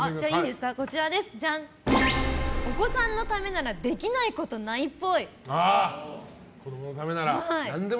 お子さんのためならできないことないっぽい。